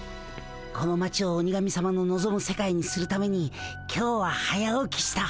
この町を鬼神さまののぞむ世界にするために今日は早起きした。